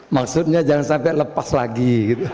maksudnya jangan sampai lepas lagi